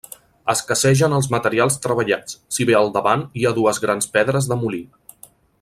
Escassegen els materials treballats, si bé al davant hi ha dues grans pedres de molí.